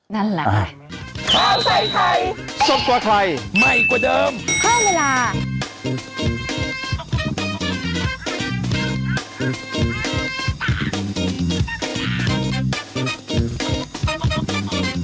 นั่นแหละ